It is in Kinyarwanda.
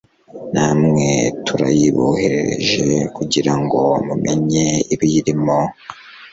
namwe turayiboherereje kugira ngo mumenye ibiyirimo